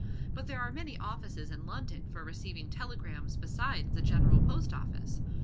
But there are many offices in London for receiving telegrams besides the General Post Office.